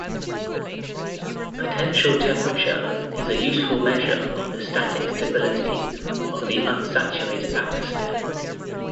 Potential temperature is a useful measure of the static stability of the unsaturated atmosphere.